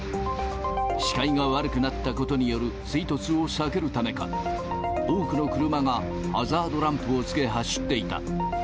視界が悪くなったことによる追突を避けるためか、多くの車がハザードランプをつけ、走っていた。